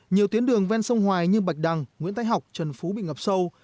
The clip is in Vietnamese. nhiều tuyến đường ven sông hoài như bạch đăng nguyễn tách học trần phú bị ngập sâu